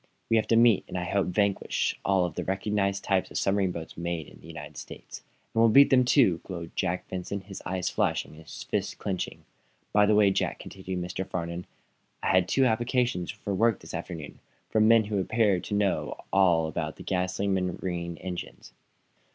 We shall have to meet and I hope, vanquish all the recognized types of submarine boats made in the United States." "And we will beat them, too!" glowed Jack Benson, his eyes flashing and his fists clenching. "By the way, Jack," continued Mr. Farnum, "I had two applications for work this afternoon, from men who appear to know all about gasoline marine engines.